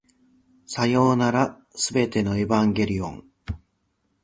さようなら、全てのエヴァンゲリオン